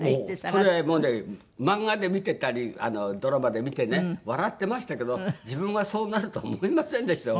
それもうね漫画で見てたりドラマで見てね笑ってましたけど自分がそうなると思いませんでしたよ